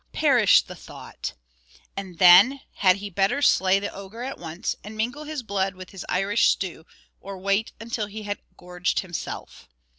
Perish the thought! And then, had he better slay the ogre at once, and mingle his blood with his Irish stew, or wait until he had gorged himself."